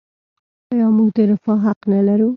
آیا موږ د رفاه حق نلرو؟